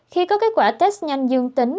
khi có kết quả test nhanh dương tính